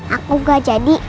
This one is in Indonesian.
aku gak jadi